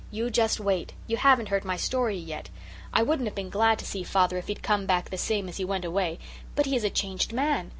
"You just wait. You haven't heard my story yet. I wouldn't have been glad to see father if he'd come back the same as he went away. But he is a changed man.